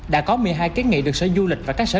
đã có một mươi hai kiến nghị được sở du lịch và các sở